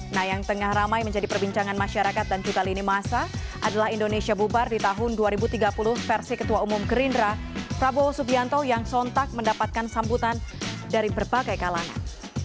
nah yang tengah ramai menjadi perbincangan masyarakat dan juga lini masa adalah indonesia bubar di tahun dua ribu tiga puluh versi ketua umum gerindra prabowo subianto yang sontak mendapatkan sambutan dari berbagai kalangan